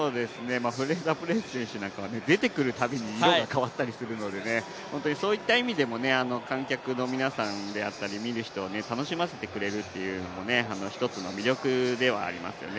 フレイザープライス選手なんかは出てくるたびに色が変わったりするのでそういった意味でも観客の皆さんであったり、見る人を楽しませてくれるっていうのも一つの魅力ではありますよね。